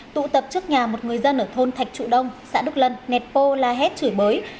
tụ tập trước nhà một người dân ở thôn thạch trụ đông xã đức lân nẹt pô la hét chửi bới